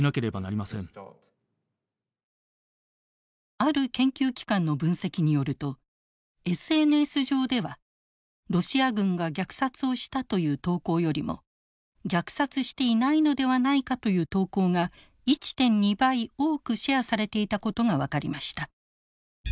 ある研究機関の分析によるとＳＮＳ上ではロシア軍が虐殺をしたという投稿よりも虐殺していないのではないかという投稿が１．２倍多くシェアされていたことが分かりました。